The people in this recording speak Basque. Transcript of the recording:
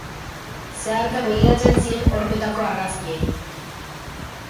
Zeharka begiratzen zien hormetako argazkiei.